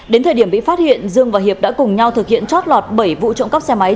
đến thời điểm bị phát hiện dương và hiệp đã cùng nhau thực hiện trót lọt bảy vụ trộm cắp xe máy